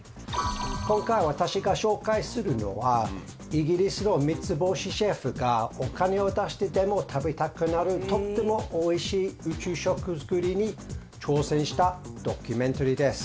今回私が紹介するのはイギリスの３つ星シェフがお金を出してでも食べたくなるとってもおいしい宇宙食作りに挑戦したドキュメンタリーです。